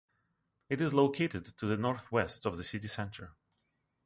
It is located to the northwest of the city centre.